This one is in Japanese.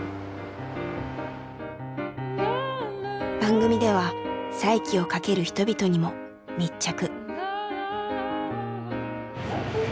番組では再起をかける人々にも密着。